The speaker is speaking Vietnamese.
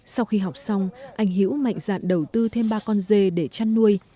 sau khi học xong anh hiễu mạnh dạn đầu tư thêm ba con dê để chăn nuôi